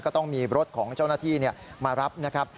ก็ต้องมีรถของเจ้าหน้าที่มารับนะครับ